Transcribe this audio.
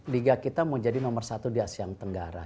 liga kita mau jadi nomor satu di asean tenggara